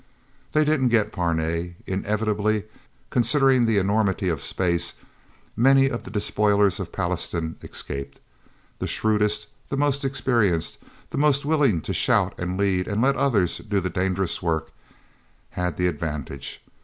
They didn't get Parnay. Inevitably, considering the enormity of space, many of the despoilers of Pallastown escaped. The shrewdest, the most experienced, the most willing to shout and lead and let others do the dangerous work, had the advantage.